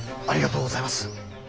ありがとうございます。